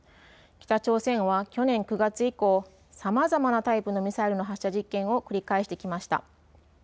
北朝鮮は去年９月以降、さまざまなタイプのミサイルの発射実験を繰り返してきました。